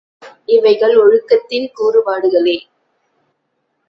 இவைகள் ஒழுக்கத்தின் கூறுபாடுகளே.